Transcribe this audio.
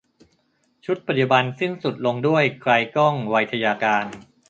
ชุดปัจจุบันสิ้นสุดลงด้วย ไกลก้อง ไวทยการ